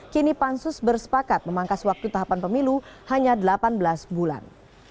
kini pansus bersepakat memangkas waktu tahapan pemilu hanya delapan belas bulan